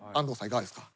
いかがですか？